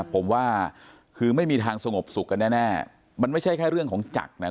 ผมว่าคือไม่มีทางสงบสุขกันแน่มันไม่ใช่แค่เรื่องของจักรนะ